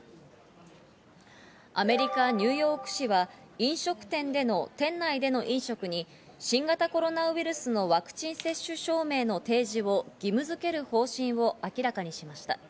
アメリカ・ニューヨーク州は飲食店での店内での飲食に新型コロナウイルスのワクチン接種証明の提示を義務づける方針を明らかにしました。